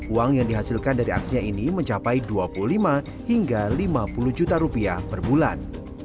uang yang dihasilkan dari aksinya ini mencapai dua puluh lima hingga lima puluh juta rupiah per bulan